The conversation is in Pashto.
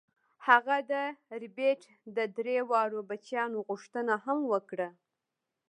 هغه د ربیټ د درې واړو بچیانو غوښتنه هم وکړه